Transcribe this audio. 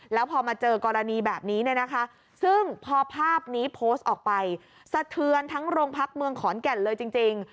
แล้วพอมาเจอกรณีแบบนี้เนี่ยนะคะซึ่งพอภาพนี้โพสต์ออกไปสะเทือนทั้งโรงพักเมืองขอนแก่นเลยจริง